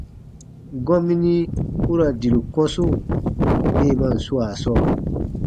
Gɔmini u ra diru kɔ̃su deemaan swaa sɔɔ,